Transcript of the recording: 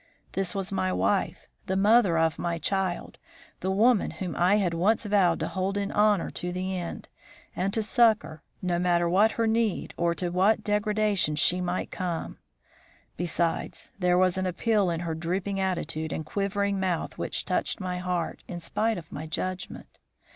This was my wife, the mother of my child; the woman whom I had once vowed to hold in honour to the end, and to succour, no matter what her need or to what degradation she might come. Besides, there was an appeal in her drooping attitude and quivering mouth which touched my heart in spite of my judgment.